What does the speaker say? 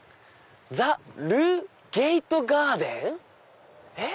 ザルゲートガーデン？えっ？